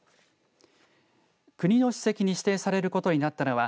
国の史跡に指定されることになったのは